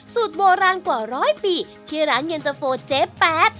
สูตรโบราณกว่าร้อยปีที่ร้านเย็นเตฟอร์เจ๊๘